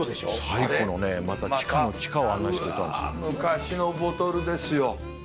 最古のねまた地下の地下を案内してくれたんですよ。